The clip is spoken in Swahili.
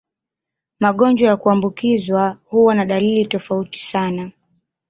Magonjwa ya kuambukizwa huwa na dalili tofauti sana.